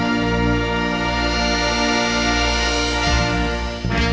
ยุ่ง